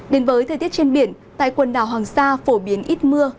đến với thời tiết trên biển tại quần đảo hoàng sa phổ biến ít mưa